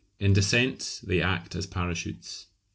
In descent they act as parachutes.